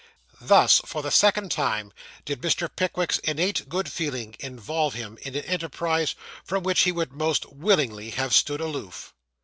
Thus, for the second time, did Mr. Pickwick's innate good feeling involve him in an enterprise from which he would most willingly have stood aloof.